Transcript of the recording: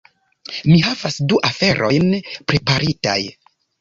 mi havas du aferojn preparitaj